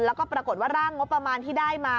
แล้วก็ปรากฏว่าร่างงบประมาณที่ได้มา